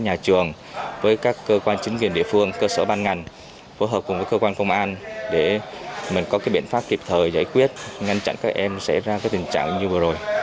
hãy đăng ký kênh để ủng hộ kênh của mình nhé